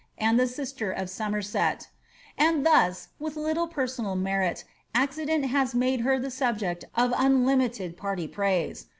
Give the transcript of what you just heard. and tlie sister of Somerset ; and thus, with little personal merit, accident hai made her the subject of unlimited party praise.